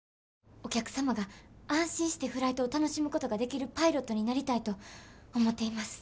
お客様が安心してフライトを楽しむことができるパイロットになりたいと思っています。